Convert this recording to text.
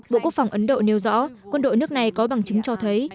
bộ quốc phòng ấn độ nêu rõ quân đội nước này có bằng chứng cho thấy